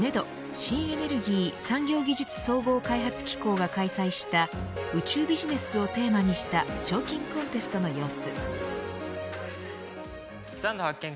新エネルギー産業技術総合開発機構が開催した宇宙ビジネスをテーマにした賞金コンテストの様子。